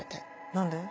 何で？